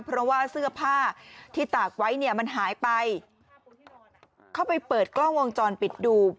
เพราะว่าเสื้อผ้าที่ตากไว้เนี่ยมันหายไปเข้าไปเปิดกล้องวงจรปิดดู